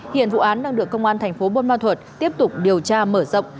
hiện vụ án đang được công an thành phố bôn ma thuật tiếp tục điều tra mở rộng